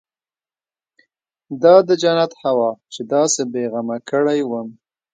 دا د جنت هوا چې داسې بې غمه کړى وم.